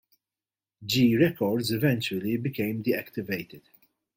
Gee Records eventually became deactivated.